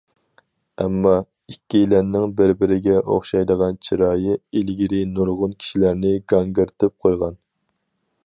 ئەمما ئىككىيلەننىڭ بىر- بىرىگە ئوخشايدىغان چىرايى ئىلگىرى نۇرغۇن كىشىلەرنى گاڭگىرىتىپ قويغان.